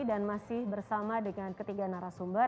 dan masih bersama dengan ketiga narasumber